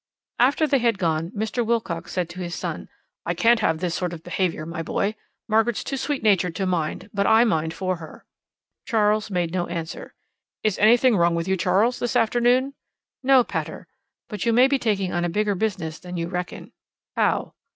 After they had gone, Mr. Wilcox said to his son: "I can't have this sort of behaviour, my boy. Margaret's too sweet natured to mind, but I mind for her." Charles made no answer. "Is anything wrong with you, Charles, this afternoon?" "No, pater; but you may be taking on a bigger business than you reckon." "How?"